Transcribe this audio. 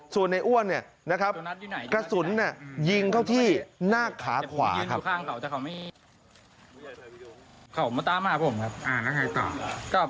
ส่วนในอ้วนกระสุนยิงเข้าที่หน้าขาขวาครับ